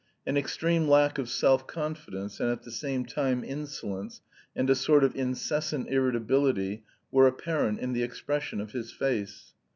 An extreme lack of self confidence and at the same time insolence, and a sort of incessant irritability, were apparent in the expression of his face.